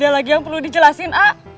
lagi yang perlu dijelasin